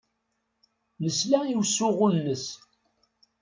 Nesla i usuɣu-nnes.